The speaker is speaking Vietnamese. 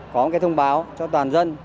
có một cái thông báo cho toàn dân